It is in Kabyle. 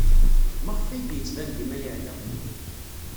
Maɣef ay d-yettban dima yeɛya?